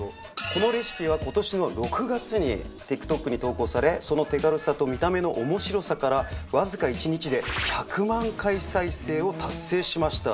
このレシピは今年の６月にＴｉｋＴｏｋに投稿されその手軽さと見た目の面白さからわずか１日で１００万回再生を達成しました。